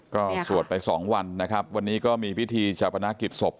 ก็สวดไปสองวันนะครับวันนี้ก็มีพิธีชาพนักกิจศพ